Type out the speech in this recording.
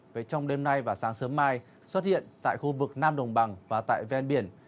về trong đêm nay và sáng sớm mai xuất hiện tại khu vực nam đồng bằng và tại ven biển